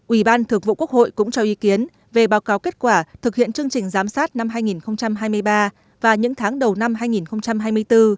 ủy ban thượng vụ quốc hội cũng cho ý kiến về báo cáo kết quả thực hiện chương trình giám sát năm hai nghìn hai mươi ba và những tháng đầu năm hai nghìn hai mươi bốn